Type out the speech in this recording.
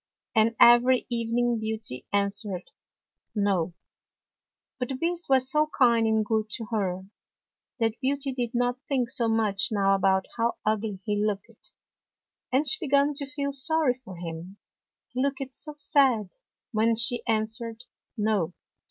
" And every evening Beauty answered " No." But the Beast was so kind and good to her [ 84 ] BEAUTY AND THE BEAST that Beauty did not think so much now about how ugly he looked, and she began to feel sorry for him, he looked so sad when she answered " No."